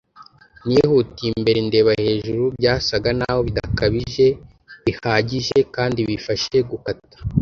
Nihutiye imbere ndeba hejuru. Byasaga naho bidakabije bihagije, kandi bifashe gukata